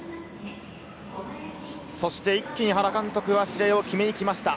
そして一気に原監督は試合を決めに行きました。